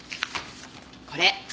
これ。